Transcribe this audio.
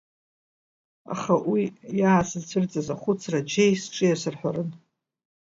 Аха уи иаасызцәырҵыз ахәыцра џьеи сҿы иасырҳәарын.